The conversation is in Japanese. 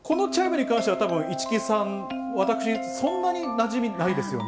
このチャイムに関しては、たぶん、市來さん、私、そんなになじみないですよね。